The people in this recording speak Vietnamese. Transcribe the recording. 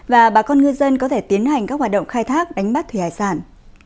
và bà con ngư dân có thể tiến hành các hoạt động khai thác đánh bắt thủy hải sản